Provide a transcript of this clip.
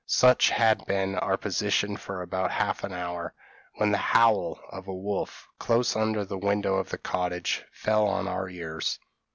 Such had been our position for about half an hour, when the howl of a wolf, close under the window of the cottage, fell on our ears.